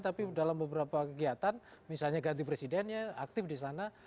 tapi dalam beberapa kegiatan misalnya ganti presiden ya aktif di sana